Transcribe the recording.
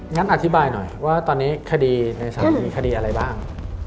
งั้นอธิบายหน่อยว่าตอนนี้คดีในศาลมีคดีอะไรบ้าง